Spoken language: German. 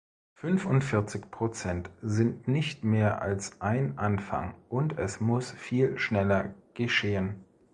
Fünfundvierzig Prozent sind nicht mehr als ein Anfang, und es muss viel schneller geschehen.